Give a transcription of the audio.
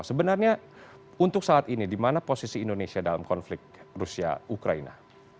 sebenarnya untuk saat ini di mana posisi indonesia dalam konflik rusia ukraina